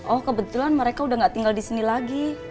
oh kebetulan mereka udah gak tinggal disini lagi